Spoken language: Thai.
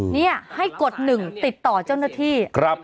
นี่ให้กด๑ติดต่อเจ้าหน้าที่